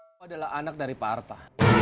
itu adalah anak dari pak arta